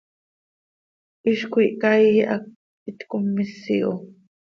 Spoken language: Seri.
Hiz cöiihca íi hac itcommís iho.